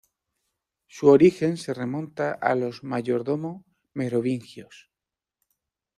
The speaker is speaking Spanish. Su origen se remonta a los "mayordomo" merovingios.